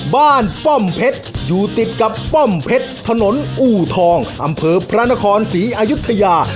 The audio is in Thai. ป้อมเพชรอยู่ติดกับป้อมเพชรถนนอู่ทองอำเภอพระนครศรีอายุทยา